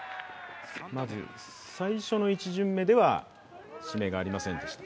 最初の１巡目では指名がありませんでした。